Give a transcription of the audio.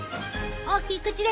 大きい口で！